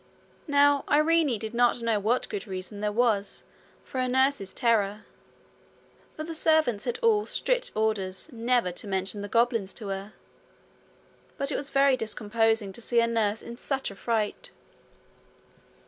Now Irene did not know what good reason there was for her nurse's terror, for the servants had all strict orders never to mention the goblins to her, but it was very discomposing to see her nurse in such a fright.